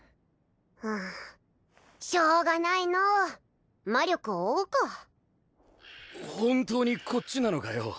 しょうがないのう魔力を追うか本当にこっちなのかよ